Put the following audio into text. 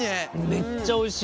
めっちゃおいしい。